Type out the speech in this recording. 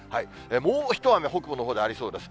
もう一雨、北部のほうでありそうです。